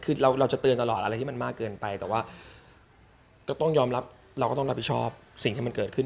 คือเราจะเตือนตลอดอะไรที่มันมากเกินไปแต่ว่าก็ต้องยอมรับเราก็ต้องรับผิดชอบสิ่งที่มันเกิดขึ้น